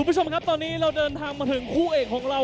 คุณผู้ชมครับตอนนี้เราเดินทางมาถึงคู่เอกของเรา